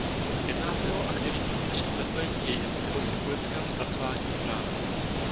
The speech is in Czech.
Jedná se o aktivní vnitřní zapojení jedince do symbolického zpracování zpráv.